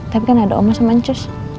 tapi kan ada oma sama chus